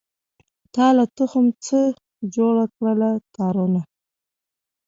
تا له تخم څخه جوړکړله تارونه